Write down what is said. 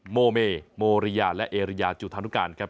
โมเมโมริยาและเอริยาจุธานุการครับ